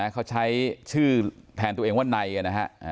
เขาใช้ชื่อแทนตัวเองว่าในนะฮะ